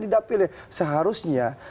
di dapilnya seharusnya